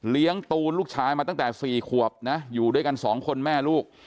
ตูนลูกชายมาตั้งแต่๔ขวบนะอยู่ด้วยกันสองคนแม่ลูก